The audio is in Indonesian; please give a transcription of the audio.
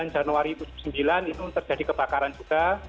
sembilan januari dua puluh sembilan itu terjadi kebakaran juga